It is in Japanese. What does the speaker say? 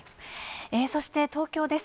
そして、東京です。